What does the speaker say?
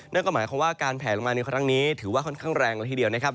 นั่นก็หมายความว่าการแผลลงมาในครั้งนี้ถือว่าค่อนข้างแรงละทีเดียวนะครับ